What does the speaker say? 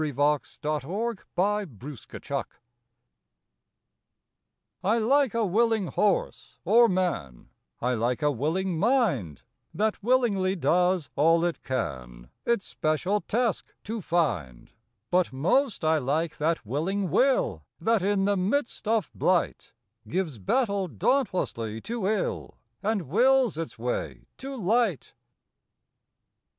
December Seventh THE WILLING WILL T LIKE a willing horse or man: I like a willing mind That willingly does all it can Its special task to find; But most I like that willing Will That in the midst of blight Gives battle dauntlessly to ill And wills its way to light.